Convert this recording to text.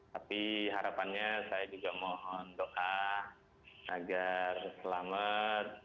tapi harapannya saya juga mohon doa agar selamat